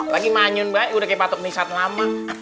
lagi manyun ba udah kayak patok nisat lama